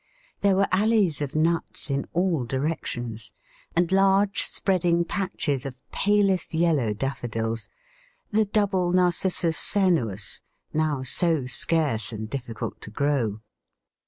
There were alleys of nuts in all directions, and large spreading patches of palest yellow Daffodils the double Narcissus cernuus, now so scarce and difficult to grow.